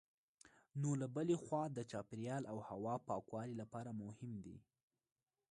نو له بلې خوا د چاپېریال او هوا پاکوالي لپاره مهم دي.